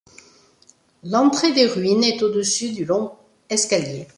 L'entrée des ruines est au-dessus du long escalier.